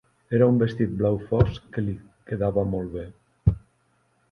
Era un vestit blau fosc que li quedava molt bé.